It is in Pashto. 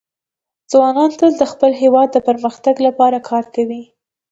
ځوانان تل د خپل هېواد د پرمختګ لپاره کار کوي.